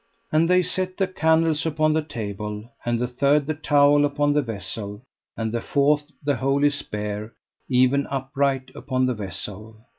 And they set the candles upon the table, and the third the towel upon the vessel, and the fourth the holy spear even upright upon the vessel.